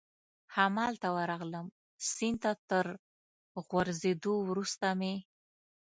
همالته ورغلم، سیند ته تر غورځېدو وروسته مې.